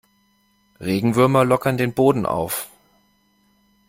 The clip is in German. Regenwürmer lockern den Boden auf.